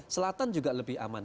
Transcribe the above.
selatan juga lebih aman